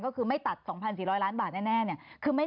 ก็คือไม่ตัดสองพรรณสี่ร้อยล้านบาทแน่เนี่ย